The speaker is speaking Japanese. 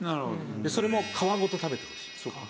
それも皮ごと食べてほしい。